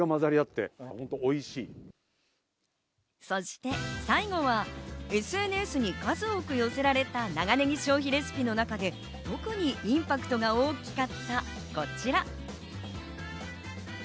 そして最後は、ＳＮＳに数多く寄せられた長ネギ消費レシピの中で特にインパクトが大きかったこちら。